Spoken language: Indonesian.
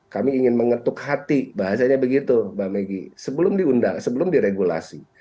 kami ingin mengetuk hati bahasanya begitu mbak meggy sebelum diundang sebelum diregulasi